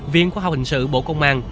viên khoa học hình sự bộ công an